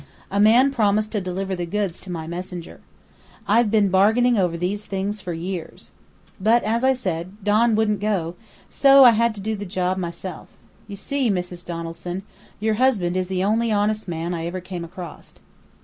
A man promised to deliver the goods to my messenger. I've been bargaining over these things for years. But, as I said, Don wouldn't go, so I had to do the job myself. You see, Mrs. Donaldson, your husband is the only honest man I ever came across."